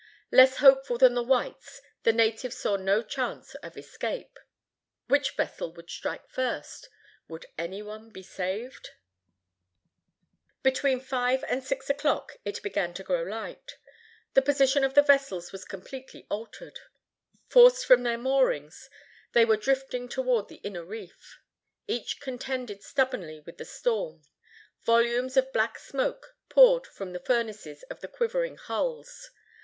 Less hopeful than the whites, the natives saw no chance of escape. Which vessel would strike first? Would any be saved? [Illustration: BOW OF THE EBER, CAST ASHORE.] Between five and six o'clock, it began to grow light. The position of the vessels was completely altered. Forced from their moorings, they were drifting toward the inner reef. Each contended stubbornly with the storm. Volumes of black smoke poured from the furnaces of the quivering hulls.